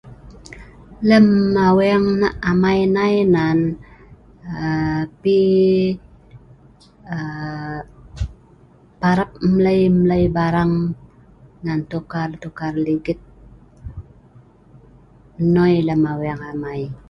Lem aweng amai nei nan um pi um parap mlei mlei barang nan tukar tukar ligit noi lem aweng amai